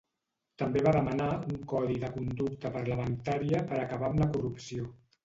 També va demanar un codi de conducta parlamentària per acabar amb la corrupció.